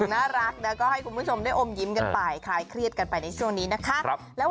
น่ารักนะก็ให้คุณผู้ชมได้อมยิ้มกันไปคลายเครียดกันไปในช่วงนี้นะคะ